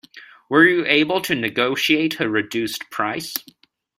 Were you able to negotiate a reduced price?